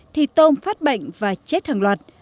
thì tôm phát bệnh và chết hàng loạt